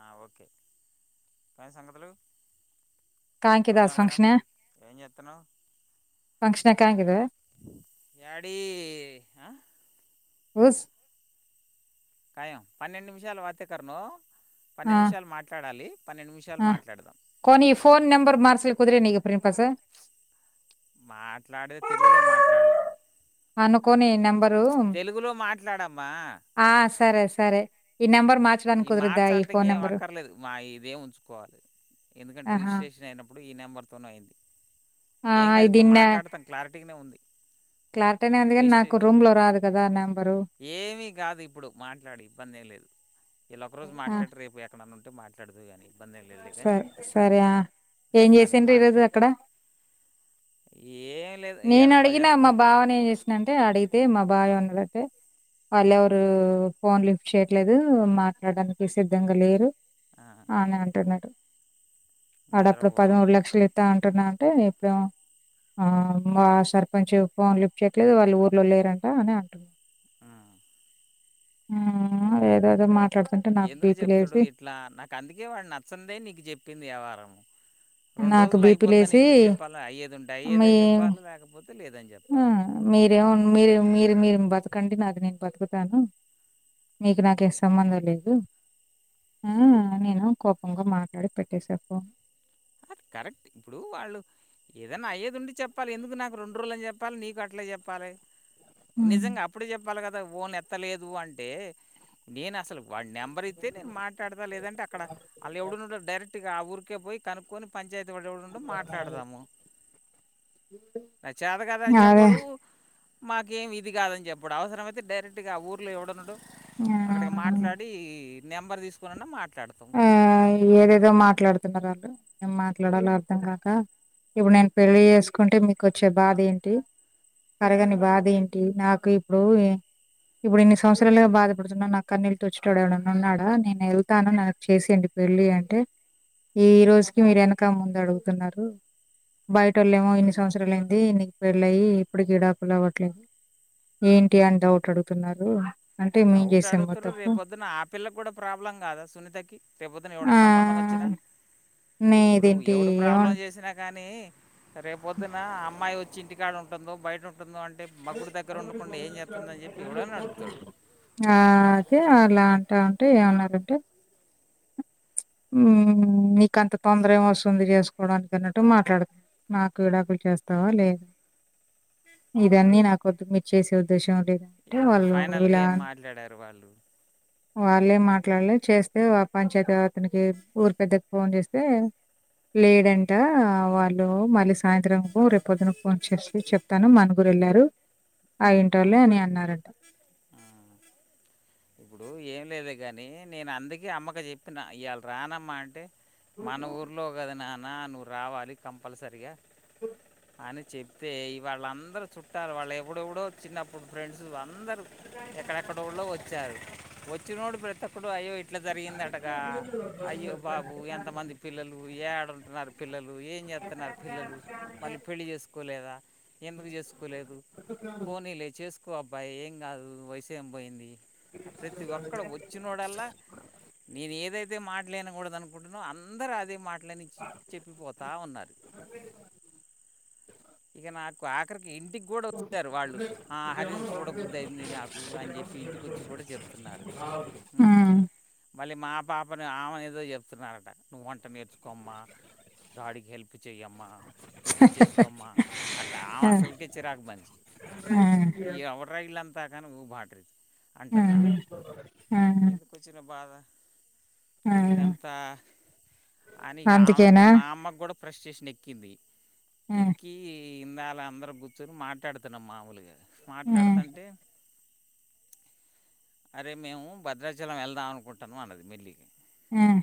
ఆ ఓకే ఇంకేం సంగతులు పద్మ మేడం ఏం చేస్తున్నావు డాడీ పన్నెండు నిమిషాలు వత్యకరణో ఆ నిమిషాలు ఆ మాట్లాడదాం కొనీ ఫోన్ నంబర్ మార్సి కుదిరినీయావ్ రేపా సార్ మాట్లాడు తెలుగులో మాట్లాడు అనుకోని నం తెలుగులో మాట్లాడమ్మా ఆ సరే సరే ఈ నంబర్ ఈ మార్చడానికి ఏం అక్కర్లేదు మా ఇదేం ఉంచుకోవాలి. ఎందుకంటే ఆహా రిజిస్ట్రేషన్ అయినప్పుడు ఈ నెంబర్ తోన అయింది ఆ, ఏం కాదు ఇది ఇప్పుడు నిన్న మాట్లాడతాం క్లార్క్ [unintelligible] ఉంది క్లారిటీనే ఉంది కానీ నాకు [unintelligible] రూమ్ లో రాదు కదా నెంబరు ఏమీ కాదు ఇప్పుడు మాట్లాడు ఇబ్బంది ఏం లేదు ఇదొక రోజు ఆ, మాట్లాడు రేపు ఎద్దాం మాట్లాడుదువు కానీ ఇబ్బంది లేదులే కానీ సరే సరే ఆ. ఏం ప్రస్తుతానికి చేసిండ్రు ఈరోజు మాట్లాడు అక్కడ ఏం లేదు నేను ఇవాళ అడిగిన ధ్వజస్తా మా బావనే ఏం చేసినంటే అడిగితే మా బా బాగా ఉన్నాడంటే వాళ్ళు ఎవరు ఫోన్ లిఫ్ట్ చేయట్లేదు మాట్లాడడానికి సిద్ధంగా లేరు ఆ, ఆన అంటన్నాడు ఆడ అప్పుడు పదమూడు నిద్రపోవాలి లక్షలు ఇత్త అంటున్నారు అంటే ఇప్పుడు ఆ మా సర్పంచ్ ఫోన్ లిఫ్ట్ చేయట్లేదు వాళ్ళ ఊర్లో లేరంట అని అంటున్నారు ఆ, ఆ ఏదేదో మాట్ ఎందుకు చెప్తడు ఇట్లా నాకు అందుకే వాడు నచ్చిందే నీకు చెప్పింది యవరం రెండు నాకు రోజులు బీపీ అయిపోద్దని లేసి ఎందుకు చెప్పాలా? అయ్యేది ఉంటే మీ అయ్యేదని చెప్పాలా లేకపోతే లేదని ఆ చెప్పాలి మీరే మీరు మీరు మీరు బ బతకండి నాకు నేను బతుకుతాను. మీకు, నాకు ఏ సంబంధం లేదు. మ్మ్ నేను కోపంగా మాట్లాడి పెట్టేసా ఫోన్ కరెక్ట్ ఇప్పుడు వాళ్ళు ఏదన్నా అయ్యేది ఉంటే చెప్ప మరెందుకు నాకు రెండు రోజులు అని చెప్పాలి నీకు అట్లే చెప్పాలి ఉమ్. నిజంగా అప్పుడు చెప్ప చెప్పాలి కదా ఫోన్ ఎత్తలేదు అంటే నేను అసలు వాడి నెంబర్ ఇత్తే నేను మాట్లాడతా లేదంటే అక్కడ వాళ్ళ ఎవడుండో డైరెక్ట్ ఆ ఊరికే పోయి కనుక్కొని పంచాయితి ఎవడెవడుండో మాట్లాడదాము. చేత కాదు అని అదే చెప్పడు మాకేం ఇది కాదని చెప్పడు అవసరం అయితే డైరెక్ట్గా ఊర్లో ఏవడున్నడు అక్కడ్కి ఆ, మాట్లాడి నెంబర్ తీస్కున్నన మాట్ ఆ ఏదేదో మాట్లాడు అంతే మరి ఆళ్ళు ఏం మాట్లాడాలో అర్థం కాక ఇప్పుడు నేన్ పెళ్లి చేస్కుంటే మీకొచ్చే బాధ ఏంటి తరగని బాధ ఏంటి నాకు ఇప్పుడు ఇప్పుడు ఇన్ని సంవత్సరాలుగా బాధపడుతున్నా నా కన్నీళ్ళు తుడుచ్టోటోడు ఎవడన్న ఉన్నాడా నేను ఎళ్తాను చేసేయండి పెళ్ళి అంటే ఈ రోజుకి మీర్ ఎనక ముందు అడుగుతున్నారు బయటోళ్ళేమో ఇన్ని సంవత్సరాల్ అయింది నీకు పెళ్లై ఇప్పుడు విడాకులు అవ్వట్లేదు ఏంటి అని డౌట్ అడుగుతున్నారు. అంటే మేం డౌట్ చేసామా అడుగుతున్రు తప్పు రేప్ పొద్దున్న ఆ పిల్లక్గుడా ప్రాబ్లం కాదా సునీతకి రేప్ పొద్దున్న ఆ ఎవడన్న సంబంధం వచ్చినా నే ఇప్పుడు దేంటి ఎవడు ప్రాబ్లం ఏమన్ చేసినా కానీ రేప్ పోద్దున్న అమ్మాయి వచ్చి ఇంటికాడ ఉంటదో బయట ఉం టుందో అంటే మొగ్గుడు దగ్గర ఉండకుండా ఏం చేత్తున్దని చెప్పి ఎవడన్న అడుగుతడు. ఆ అదే అలా అంటా ఉంటే ఏమన్నారంటే మ్ నీకంత తొందర ఏం వస్తుంది చేస్కోవడాని అన్నట్టు మాట్లాడ్ నాకు విడాకులు చేస్తావా లే ఇదన్నీ నాకొద్దు మీరు చేసే ఉద్దేశం లేదా ఇప్పుడు ఫైనల్గ ఏం మాట్లాడారు వాళ్ళు వాళ్ళేం మాట్లాడ్లే చేస్తే పంచాయతీ అతనికి ఊర్ పెద్దకి ఫోన్ చేస్తే లేడంట వాళ్ళు మళ్ళీ సాయంత్రంకు రేప్ పొద్దున ఫోన్ చేసి చెప్తాను మన ముగ్గురు ఎళ్లారు. ఆ ఇంటొల్లే అని అన్నారంట ఆ, ఇప్పుడు ఏం లేదే గనీ నేన్ అందుకే అమ్మకు చెప్పిన ఇయాళ రానమ్మా అంటే మన ఊర్లో కద నా న్న నువ్ రావాలి కంపల్సరిగా ఓ అని చెప్తే ఇవాళ్ళందరు చుట్టాలు వాళ్ళు ఎప్పుడెప్పుడో చిన్నప్పుడు ఫ్రెండ్స్ అందరు ఎక్కడెక్కడోళ్ళో వచ్ వచ్చారు వచ్చినోడు ప్రతి ఒక్కడు అయ్యో ఇట్లా జరిగిందటగా అయ్యో బాబు ఎంతమంది పిల్లలు ఏడ ఉంటున్నారు పిల్లలు ఏం చేస్తున్నారు పిల్లలు మళ్ళీ పెళ్ళి చేస్కోలేదా ఎందుకు చేస్కోలేదు పోనీలే చేస్ ఎక్కువ అబ్బాయే ఏం కాదు వయసు ఏం పోయింది ఆ ప్రతి ఒక్కడు వచ్చినోడల్లా నేన్ ఏదైతే ట్ లేన్ గుడా దనుకుంటనో అందరూ అదే మాట్ [inaudible] చెప్పిపోతా ఉన్నారు ఇగ నా ఆఖరికి ఇంటికి గుడా వచ్చారు వాళ్ళు. ఆ హరిని చూడబుద్దయింది నాకు అని చెప్పి ఇంటిక్ కూడా చెప్తున్నారు హ్మ్. మళ్ళీ మా పా ఆమెని ఆమెన్ ఏదో చెప్తున్నారట నువ్వంట నేర్ కోమ్మ. డాడీకి హెల్ప్ చేయమ్మా. ఇట్ల చేస్కోమ్మా అట్లా ఆమ ఆ! అసల్కే చిరాకు మనిషి ఆ! ఎవర్రా ఇళ్లం తాక నువ్వు బక్రిచ్ ఆ ఆ ఎందుకు వచ్చిన బాధ ఆ! ఇదంతా అని ఇక ఆమె కి అందుకేనా? మా అమ్మకి కూడా ఫ్రస్టేషన్ ఎక్కింది ఆ! ఎక్కి ఈ ఇందాల అందరం కూర్చుని మాట్లాడుతున్నాం మాముూలుగా హ్మ్. మాట్లాడుతంటే అరే మేము భద్రాచలం వెళ్దాం అనుకుంటున్నాం అన్నది మెల్లి హ్మ్.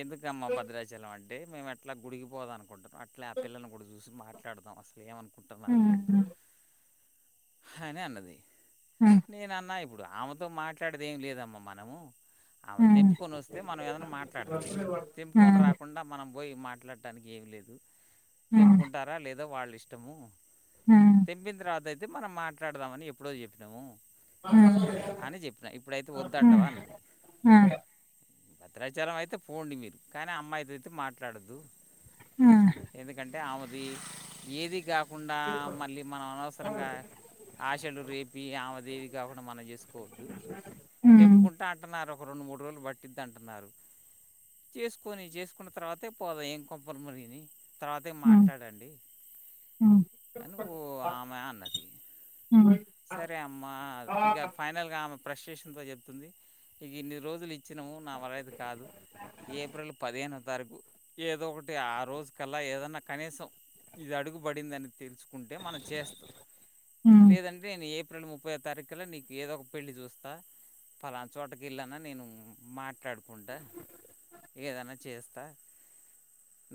ఎందుకమ్మా భద్రాచలం ఆన్ టే మేము ఎట్లా గుడికి పోదాం అనుకుంటున్నాం అట్లే ఆ పిల్లని కూడ చూసి మాట్లాడదాం అసలేం అను కుంటున్నారు హ్మ్. ఏందో హ్మ్. హనే అన్నది నేను అన్న ఇప్ ఇప్పుడు ఆమెతో మాట్లాడేది ఏమీ లేదమ్మా మనము ఆమె హ్మ్. తెంపుకొని వస్తే మనం ఏదన్నా మాట్లాడుతాం తెంపుకొని హ్మ్. రాకుండా మనం పోయి మాట్లాడటానికి ఏమి లేదు హ్మ్. తెంపుకుంటారా లేదా వాళ్ళు ఇష్టము హ్మ్. హ్మ్. తెంపిన తర్వాత అయితే మనం మాట్లాడదామని ఎప్పుడో చెప్పినాము అని చెప్పిన ఇప్పుడైతే వద్దు అంటావా హ్మ్. అన్నది హ్మ్. భద్రాచలం అయితే పోండి మీరు కానీ అమ్మాయితో అయితే మాట్లాడద్దు హా టే ఆమెది ఏది కా కుండా మళ్ళీ మనం అనవసరంగా ఆశలు రేపి ఆమె దేవి కాకుండా ఏమన్నా చేసుకోవద్దు హ్మ్. తెంపుకుంటా అంటున్నార అన్నారు ఒక రెండు మూడు రోజులు పట్టిది అంటన్నారు చేసుకొని చేసుకున్న తర్వాతే పోదాం ఏం కొంపలు మునిగినాయి తర్వాతే హ్మ్. హ్మ్. మాట్లాడండి కానీ ఓ ఆమె అన్నది సరే అమ్మా ఇక ఫైనల్ గా ఆమె ఫ్రస్టేషన్ తో చెప్తుంది ఇవప్రశేషన్ త చెప్తుంది ఇక ఇన్ని రోజులు వచ్చినాము నావల్ల అయితే కాదు ఏప్రిల్ పదిహేను తరకు ఏదో ఒకటి ఆ రోజు కల్లా ఏదన్నా కనీసం ఇది అడుగు పడిందని తెలుసుకుంటే మనం చేస్తాం లేదం ను ఏప్రిల్ ముప్పై తారీఖులో నీకు ఏదో ఒక పెళ్ళి చూస్తా పలానా చోటకి వెళ్ళనా నేను మాట్లాడుకుంటా ఏదనా చేస్తా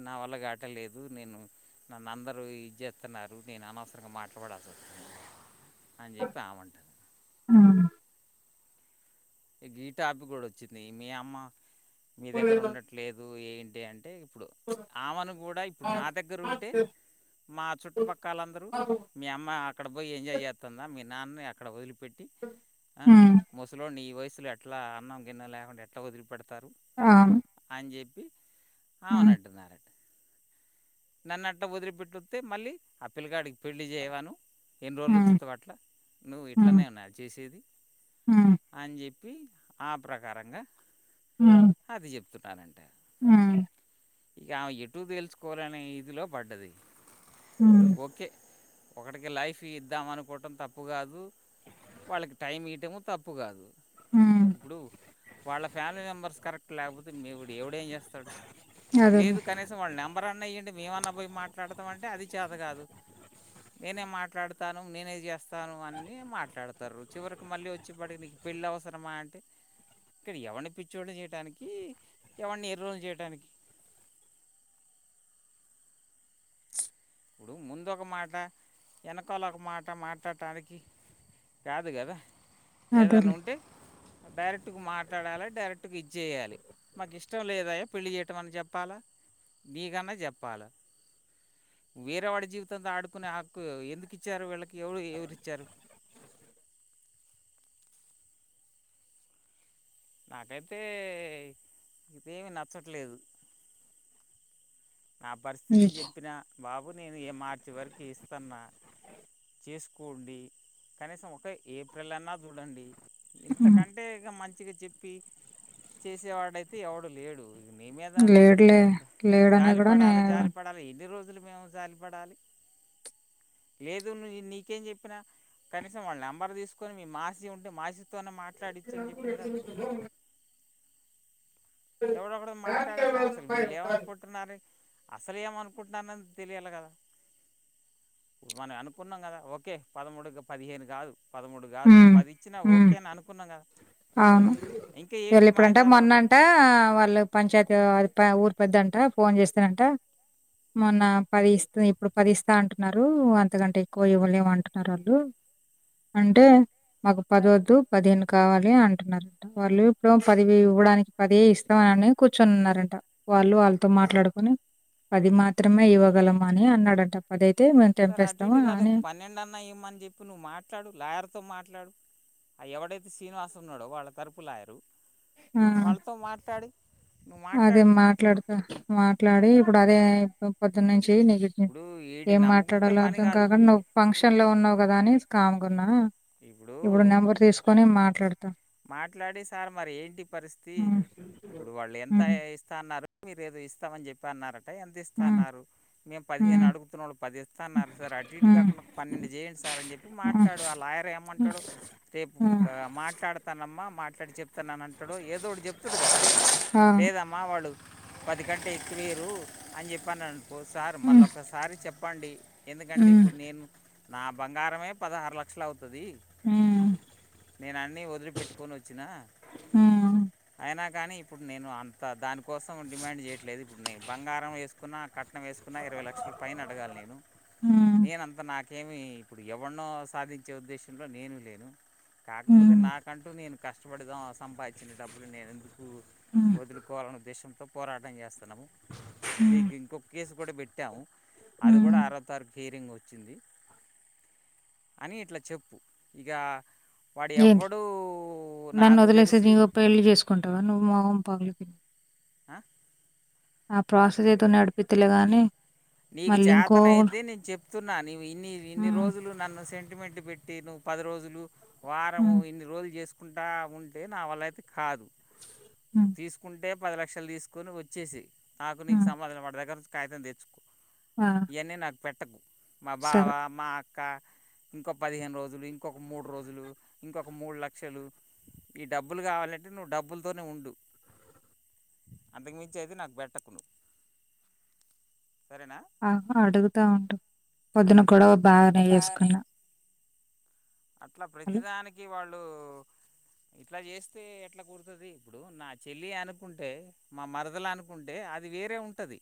నా వల్ల కాటలేదు నేను నన్ను అందరూ ఇది చేస్తున్నారు నేను అనవసరంగా మాట్లాడాల్సి వస్తుంది అని చెప్పి ఆమంటా హ్మ్. హ్మ్. ఈ గీటా ఆపి కూడా వచ్చింది మీ అమ్మ మీ దగ్గర ఉండట్లేదు ఏంటి అంటే ఇప్పుడు ఆమెను కూడా ఇప్పుడు నా దగ్గర ఉంటే హ్మ్. మా చుట్టుపక్కలందరూ అవును. మీ అమ్మ అక్కడ పోయి ఎంజాయ్ చేత్తందా మీ నాన్న ఎక్కడ పోయి పెట్టి ఆ హ్మ్. మొసలోన్ని న వై అసలు ఎట్లా అన్నం గిన్నె లేకుండా ఎట్లా వదిలిపడతంది చెస్తారు అని చెప్పి అవునంటున్నారు నన్నట్ట వదిలి పెెట్టిస్తే మళ్ళీ ఆ పిల్లకాడికి పెళ్లి చేయవా నువ్వు ఎన్ని రోజులు హ్మ్. హ్మ్. చుత్త అట్ల నువ్వు ఇట్లానే ఉన్నా అది చేసేది హ్మ్. అని చెప్పి ఆ ప్రకారంగా హ చూత్తానంటే ఆ ఇక ఆమె ఎటు తెలుసుుకోవాలనే ఇదిలో పడ్డది హ్మ్. హ్మ్. ఓకే ఒకడికి లైఫ్ ఇద్దాం అనుకోవటం తప్పు కాదు వాళ్ళకి టైం ఈ టము తప్పు కాదు హ్మ్. ఇప్పుడు వాళ్ళ ఫ్యామిలీ మెంబర్స్ కరెక్ట్ లేకపోతే ఎడు ఎవడు ఏం చేస్తాడు అదేలే లేదు కనీసం వాళ్ళ నెంబర్ అన్నా ఇయ్యండి మేమన్న పోయి మాట్లాడతాం అంటే అది చేత కాదు నేనే మాట్లాడు ఇస్తాను నేనే చేస్తాను అని మాట్లాడతారు చివరికి మళ్ళీ వచ్చే అప్పటికి నీకు పెళ్ళి అవసరమా అంటే ఇక్కడ ఎవరిని పిచ్చోళ్ళని చేయడానికి ఎవరిని ఎర్రోన్ని చేయటానికి ఇప్పుడు ముందు ఒక మాట వెనకాల ఒక మాట మాట్లాడటానికి కాదు కదా ఏదన్నా అదేలే ఉంటే డైరెక్టుగా మాట్లాడాల డైరెక్టుగా ఇది చేయాల మాకు ఇష్టం లేదయ్యా పెళ్ళి చేయటం అని చెప్పాలా నీకన్నా చెప్పాల వేరే వాడి జీవితంతో ఆడుకునే హక్కు ఎందుకు ఇచ్చారు వీళ్ళకి ఎవడు ఎవరు ఇచ్చారు నాకైతే ఇదేమి నచ్చట్లేదు నా పరిస్థితి నేను చెప్పినా బాబు నేను ఈ మార్చి వారికి ఇస్తున్నా చేసుకోండి కనీసం ఒక ఏప్రిల్ అన్నా చూడండి హ్మ్. ఇంతకంటే ఇక మంచి మంచికి చెప్పి చేసేవాడైతే ఎవడు లేడు ఇక నీ మీద లేడు లే కొత్త లేడు జాలి పడాలి జాలి పడాలి ఎన్ని రోజు అసలు మేము జాలిపడాలి లేదు ను నీకేం చెప్పినా కనీసం వాళ్ళ నెంబర్ తీసుకొని మీ మాసి ఉంటే మాసితోనే మా [unintelligible] ఎవడు ఒకడు మాట్లాడాలా అసలు వీళ్ళ ఏమనుకుంటున్నారు అసలే ఏమనుకుంటున్నారో తెలియాలి కదా మనం అనుకున్నాం కదా ఓకే పదమూడు పదిహేను కాదు పదమూడు కాదు హ్మ్. పది ఇచ్చినా హ్మ్. ఓకే అని అనుకున్నాం కదా అవును. ఇంకా ఏంటి వెళ్ళిప్పుడంట మాయధారు రోగం మొన్నంట వాళ్ళు పంచాయతీ ఊరు పెద్ద అంట ఫోన్ చేస్తానంట మొన్న పది ఇ ఇప్పుడు పది ఇస్తా అంటున్నారు అంతకంటే ఎక్కువ ఇవ్వలేమంటున్నారు వాళ్ళు అంటే మాకు పది వద్దు పదిహేను కావాలి అంటున్నారంట వాళ్ళు ఇప్పుడు పదివి ఇవ్వడానికి పది ఏ ఇస్తాము అని కూర్చొనిన్నారంట వాళ్ళు వాళ్ళతో మాట్లాడుకొని పది మాత్రమే ఇవ్వగలం అని అన్నాడంట పది సరే అటు ఇటు కాదు ఒక పన్నెండు అన్నా ఇవ్వమని చెప్పి నువ్వు మాట్లాడు లాయర్ తో మాట్లాడు ఎవడైతే శ్రీనివాస ఉన్నాడో వాళ్ళ తరపు లాయరూ ఆ! వాళ్ళతో మాట్లాడి నువ్వు అదే మాట్లాడుకో మాట్లాడుతా మాట్ మాట్లాడి ఇప్పుడు అదే పొద్దున్నుంచి నీకు ఇప్పుడు వీడిని ఏం నమ్ముకుంటే మాట్లాడాలో పని అర్థం కాదు కాగా నువ్వు ఫంక్షన్ లో ఉన్నావు కదా అని కాముగా ఉన్న ఇప్పుడు మాట్లాడతా. మాట్లాడి సార్ మరి ఏంటి పరిస్థితి హ్మ్. ఇప్పుడు వాళ్ళు ఎం తాయ్ హ్మ్. ఇస్తాన న్నారు మీరేదో ఇస్తామని చెప్పి అన్నారు ఎంత ఇస్తా హ్మ్. అన్నారు మేము పదిహేను హ్మ్. అడుగుతున్న వాళ్ళు పది ఇస్తా అన్నారు సార్ అటు ఇటు హ్మ్. కాకుండా పన్నెండు చేయండి సార్ అని చెప్పి హ్మ్. మాట్లాడు ఆ లాయర్ అంటాడు రేపు హ్మ్. మాట్లాడుతాను అమ్మా మాట్లాడి చెప్ చెన్నా అంటాడు ఏదోడు చెప్తుడు కదా అవును. లేదమ్మా వాళ్ళు పది గంటే ఎక్కువేరు అని చెప్పను అన్ ఒసారి మళ్ళ హ్మ్. ఒకసారి చెప్ ప్పండి ఎందుకంటే హ్మ్. ఇప్పుడు నేను నా బంగారమే పదహారు లక్షలు అవుతుంది ది హ్మ్. నేను అన్ని వదిలిపెట్టుకొని వచ్చినా హ్మ్. అయినా కానీ ఇప్పుడు నేను అంత దానికి కోసం డిమాండ్ చేయట్లేదు ఇప్పుడున్నా బంగారం ఎస్ కునార్ కట్నం వేసుకున్న ఇరవై లక్షల పైన అడగాలి నేను హ్మ్. నేనంత నాకు కేమి ఇప్పుడు ఎవన్నో సాధిం వచ్చే ఉద్దేశంలో నేను లేను కాకపోతే హ్మ్. నాకంటూ నేను కష్ ష్టపడదాం సంపాదించినంటప్పుడు నేను ఎందు కు హ్మ్. వదులుకోవాలన్న ఉద్దేశంతో పోరాటం చేస్ స్తున్నాం హ్మ్. నీకిన్కో కేస్ కూడా పెట్టాము అది కూడా హ్మ్. ఆరో తారుక్ హిరింగ్ వచ్చింది అని ఇట్లా చెప్పు ఇగా ఏంటి నన్నొదిలేసి నీ తెలిసి గొ పెళ్ళి చేసుకుంటావా నువ్వు మొహం పగులుధీ ఆ ఆ ప్రాసెస్ ఏదో నడిపితలేదని నీకు చేతన అయితే నేను చెప్తున్నా నీవు ఇన్ని ఇన్ని హ్మ్. రోజులు నన్ను సెంటిమెంట్ పెట్టి నువ్వు పది రోజులు వారంము హ్మ్. ఇన్ని రోజులు చేస్ కుంటా ఉంటే నావల్ల అయితే కాదు హ్మ్. తీసుకుంటే పది లక్షలు తీసుకొని వచ్చేసే నాకు హ్మ్. నీకుసంబందం పడ్డ దగ్గర నున్ కాగితం తెచ్ ఆ! ఇయన్నీ నాక్ పెట్టకు మా సరే. బావా మా అ క్క ఇంకో పదిహేను రోజులు ఇంకొక్ మూడు రోజులు ఇంకొక్ మూడు లక్షలు ఈ డబ్బులు కావాలంటే నువ్వు డబ్బులతోనే ఉండు అంతకుమించి అయితే నాకు పెట్టకు నువ్ ఆహా అడుగుతా ఉండు వద్దునం కూడా బానే చేసుకున్నా అట్లా ప్రతిదానికి వాళ్ళు నువ్ ఇట్లా చేస్తే ఎట్లా కురుతది ఇప్పుడు నా చెల్లి అనుకుంటే మా మరదలు అనుకుంటే అది వేరే ఉంటది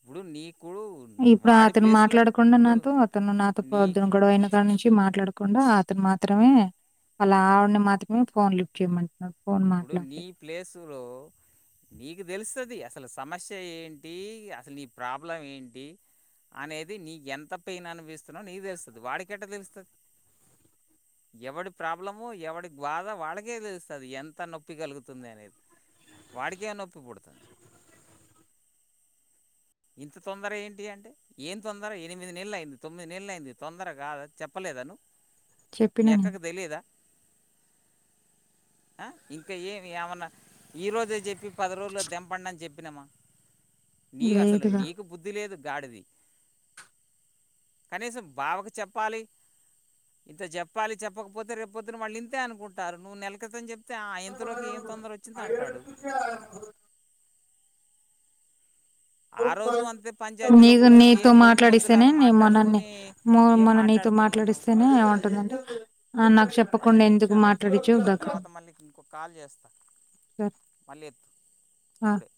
ఇప్పుడు నీక్ ఇప్పుడు అతను మాట్లాడకుండా ఇప్పుడు నాతో అతను నాతో నీ పొద్దున గొడవ అయిన కాడ నుంచి మాట్లాడక్ కుండా అతను మాత్రమే వళ్ళావిడిని మాత్రమే ఫోన్ లిఫ్ చేయమంట్ న్నాడు ఇప్పుడు నీ ప్లేస్లో నీకు తెలుస్తుంది అసలు సమస్య ఏంటి అసలు నీ ప్రాబ్లం ఏంటి అనేది నీకు ఎంత పెయిన్ అనిపిస్తున్నాో నీ తెలుస్తుంది వాడికెట్ట తెలుస్తుంది ఎవడి ప్రాబ్లమ ఎవడి బాధ వాడకే తెలుస్తుంది ఎం త నొప్పి కలుగుతుంది అనేది వాడికే నొప్పి పుడుతుంది ఇంత తొందర ఏంటి అంటే ఏం తొందర ఎనిమిది నెలలు అయింది తొమ్మిది నెలు అయింది తొందర కాద చెప్పలేద ను మీ చెప్పినా నేను. అక్కకు తెలిదా ఆ ఇంకా ఏమి ఏమన్నా ఈరోోజే చెప్పి పది రోజులు దెంపండి అని చెప్పినామా నీ లే అసలు నీకు బుద్ది లే గాడిది కనీసం బావకు చెప్పాలి ఇంత చెప్పాలి చెప్పకపోతే రేప్ పొద్దున్నే వాళ్ళు ఇంతే అనుకుంటారు నువ్వు నెల క్రితం చెప్ య ఆ రోజు అంతే పంచాయతీలో నీకు కూర్చొని నీతో ఏం ముూగి మాట్లాడిస్తేనే మద్దులాగా నే మొన్ననే మాట్లాడుకొని మొ ఏం మొన్న నీతో మాట్లాడుకునిన్నావు మాట్లాడిస్తేనే ఏమంటుందంటే, "ఆ! నాకు చెప్పకుండా పన్నెండు ఎందుకు నిమిషాలు అయిపోయింది మాట్లాడిచ్చావు" దగ్గర తర్వాత మళ్ళీ ఇంకొ కాల్ చేస్తా సరే మళ్ళీ ఎత్తు ఆ! ఇప్పుడే